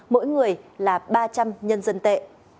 mỗi người là ba trăm linh nhân dân tệ